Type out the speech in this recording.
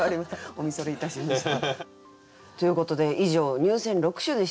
お見それいたしました。ということで以上入選六首でした。